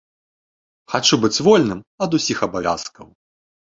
Хачу быць вольным ад усіх абавязкаў.